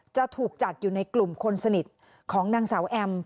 จะถูกจัดอยู่ในกลุ่มคนสนิทของนางสาวแอม